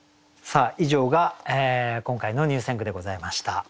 さあ以上が今回の入選句でございました。